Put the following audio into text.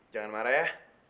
jangan marah ya